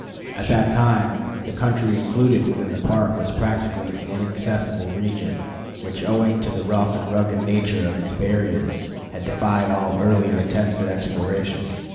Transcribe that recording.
At that time the country included within the Park was practically an inaccessible region, which, owing to the rough and rugged nature of its barriers, had defied all earlier attempts at exploration.